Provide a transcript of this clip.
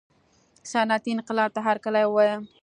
صنعتي انقلاب ته هرکلی ووایه.